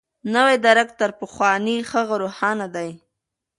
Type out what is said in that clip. نوی درک تر پخواني هغه روښانه دی.